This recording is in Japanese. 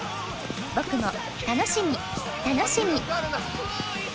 僕も楽しみ楽しみ！